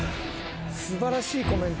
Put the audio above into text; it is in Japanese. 素晴らしいコメント。